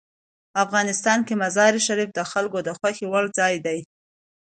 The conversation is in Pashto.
افغانستان کې مزارشریف د خلکو د خوښې وړ ځای دی.